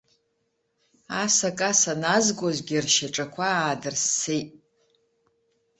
Асакаса назгозгьы ршьаҿақәа аадырссеит.